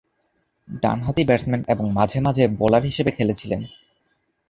ডানহাতি ব্যাটসম্যান এবং মাঝে মাঝে বোলার হিসাবে খেলেছিলেন।